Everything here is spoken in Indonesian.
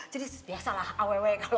jadi biasa lah awewe